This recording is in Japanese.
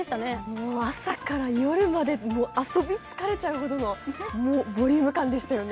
もう、朝から夜まで遊び疲れちゃうほどのボリューム感でしたよね